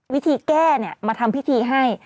วิธีแก้มาทำพิธีให้